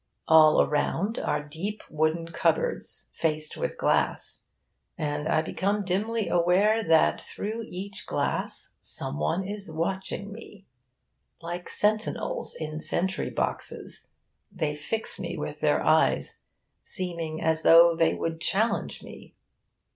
All around are deep wooden cupboards, faced with glass; and I become dimly aware that through each glass some one is watching me. Like sentinels in sentry boxes, they fix me with their eyes, seeming as though they would challenge me.